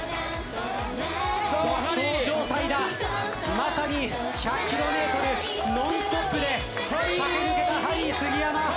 まさに１００ｋｍノンストップで駆け抜けたハリー杉山。